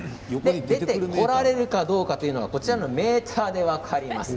出てこられるかどうかというのはこちらのメーターで分かります。